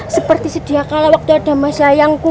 seperti sediakan waktu ada mas sayangku